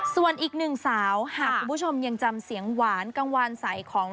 ส่วนอีกหนึ่งสาวหากคุณผู้ชมยังจำเสียงหวานกังวานใสของ